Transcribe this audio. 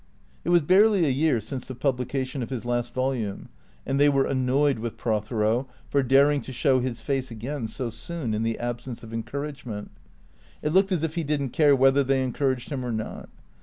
It was barely a year since the publication of his last volume, and they were annoyed with Prothero for daring to show his face again so soon in the absence of encouragement. It looked as if he did n't care whether they encouraged him or not.